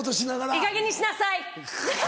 「いいかげんにしなさい！」。